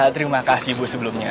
terima kasih bu sebelumnya